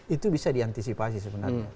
itu bisa diantisipasi sebenarnya